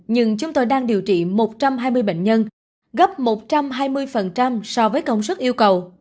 nhưng chúng tôi đang điều trị một trăm hai mươi bệnh nhân gấp một trăm hai mươi so với công sức yêu cầu